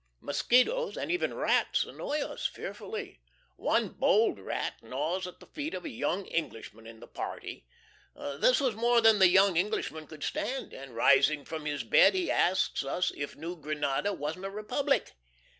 Mosquitoes and even rats annoy us fearfully. One bold rat gnaws at the feet of a young Englishman in the party. This was more than the young Englishman could stand, and rising from his bed he asked us if New Grenada wasn't a Republic?